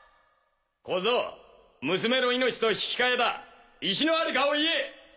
小僧娘の命と引きかえだ石のありかを言え！